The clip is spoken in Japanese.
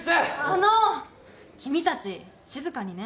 あの君たち静かにね。